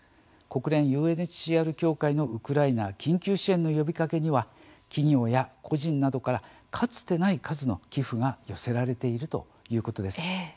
国連ＵＮＨＣＲ協会のウクライナ緊急支援の呼びかけには企業や個人などからかつてない数の寄付が寄せられているということです。